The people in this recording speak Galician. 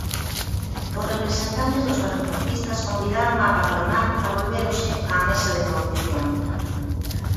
Os representantes dos transportistas convidaron á patronal a volver hoxe á mesa de negociación.